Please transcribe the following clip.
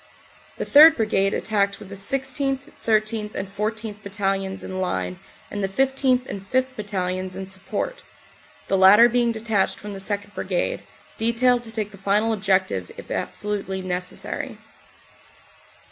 The 3rd. Brigade attacked with the 16th., 13th. and 14th. Battalions in line and the 15th. and 5th. Battalions in support the latter being detached from the 2nd. Brigade, detailed to take the final objective, if absolutely necessary.